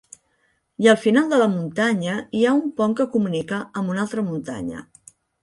I al final de la muntanya hi ha un pont que comunica amb una altra muntanya.